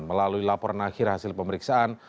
melalui laporan akhir hasil pemeriksaan